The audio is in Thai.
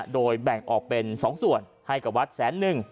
โดยแบ่งออกเป็น๒ส่วนให้กับวัดแสนหนึ่ง